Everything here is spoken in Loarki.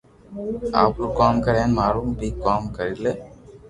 آپرو ڪوم ڪر ھين مارو بي ڪوم ڪرو لي